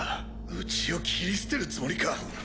うちを切り捨てるつもりか。